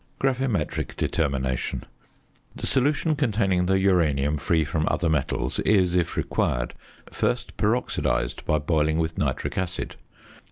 GRAVIMETRIC DETERMINATION. The solution containing the uranium free from other metals is, if required, first peroxidised by boiling with nitric acid.